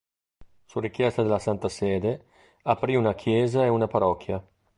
Su richiesta della Santa Sede aprì una chiesa e una parrocchia.